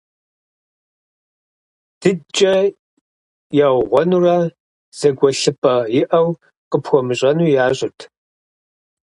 ДыдкӀэ яугъуэнурэ, зэгуэлъыпӀэ иӀэу къыпхуэмыщӀэну, ящӀырт.